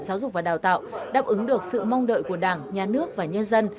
giáo dục và đào tạo đáp ứng được sự mong đợi của đảng nhà nước và nhân dân